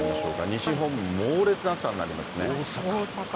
西日本、猛烈な暑さになりますね。